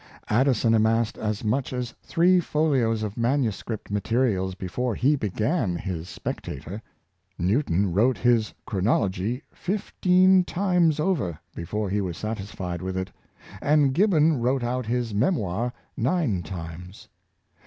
Addison amassed as much as three folios of manuscript materials before he began his " Specta tor." Newton wrote his " Chronology " fifteen times over before he was satisfied with it; and Gibbon wrote Collected T J 10 lights. 261 out his " Memoir " nine times.